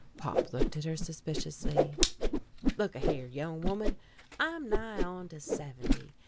Pop looked at her suspiciously: "Look a here, young woman. I'm nigh on to seventy.